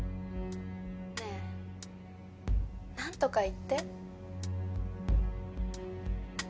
ねえ何とか言って。